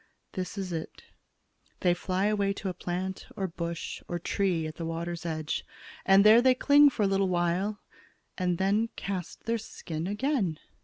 This is it: They fly away to a plant or bush or tree at the water's edge, and there they cling for a little while and then cast their skin again."